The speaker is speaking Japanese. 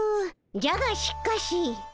「じゃがしかし」